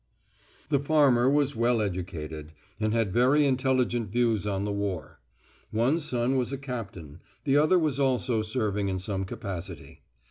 The farmer was well educated, and had very intelligent views on the war; one son was a captain; the other was also serving in some capacity.